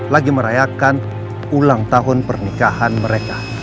lagi merayakan ulang tahun pernikahan mereka